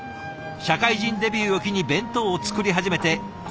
社会人デビューを機に弁当を作り始めてこの春で丸１年。